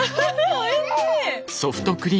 おいしい！